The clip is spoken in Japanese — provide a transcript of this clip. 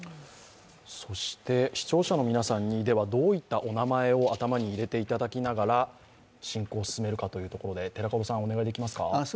視聴者の皆さんにどういったお名前を頭に入れていただきながら進行を進めるかというところで、お願いできますか？